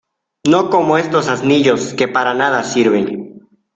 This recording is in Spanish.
No como estos asnillos que para nada sirven.